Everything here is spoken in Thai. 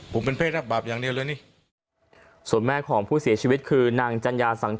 ผมต้องการพิสูจน์ตัวเองให้ได้